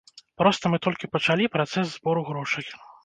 Проста мы толькі пачалі працэс збору грошай.